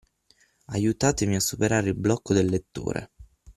Aiutatemi a superare il blocco del lettore.